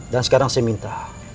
dan sekarang saya minta